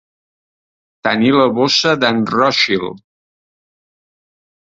Tenir la bossa d'en Rothschild.